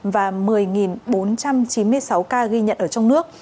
và một mươi bốn trăm chín mươi sáu ca ghi nhận ở trong nước